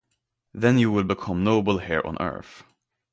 Then you will become noble here on earth.